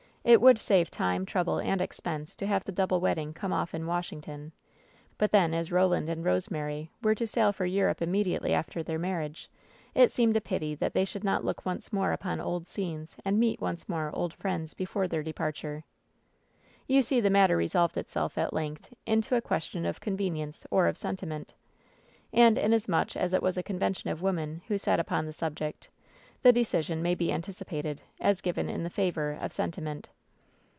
It would save time, trouble and expense to have the double wed ding come off in Washington. But, then, as Roland and Rosemary were to sail for Europe immediately after WHEN SHADOWS DIE 279 their marriage, it seemed a pity that they should not look once more upon old scenes and meet once more old friends before their departure. You see the matter resolved itself at length into a question of convenience or of sentiment. And, inasmuch as it was a convention of women who sat upon this sub ject, the decision may be anticipated, as given in the favor of sentiment.